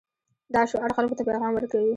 دا شعار خلکو ته پیغام ورکوي.